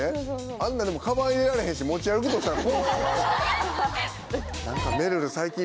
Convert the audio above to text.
あんなんカバン入れられへんし持ち歩くとしたらこう。